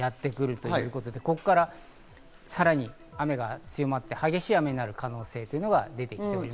ということで、ここからさらに雨が強まって激しい雨になる可能性というのが出てきています。